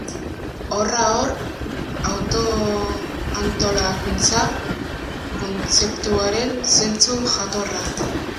Horra hor autoantolakuntza kontzeptuaren zentzu jatorra.